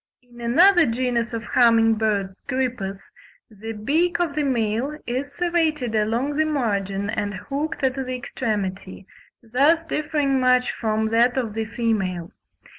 In another genus of humming birds (Grypus), the beak of the male is serrated along the margin and hooked at the extremity, thus differing much from that of the female.